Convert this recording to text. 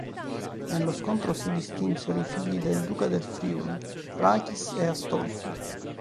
Nello scontro si distinsero i figli del duca del Friuli, Rachis e Astolfo.